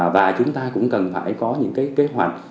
và chúng ta cũng cần phải có những cái kế hoạch